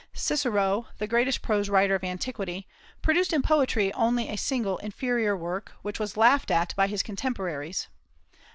Cicero, the greatest prose writer of antiquity, produced in poetry only a single inferior work, which was laughed at by his contemporaries.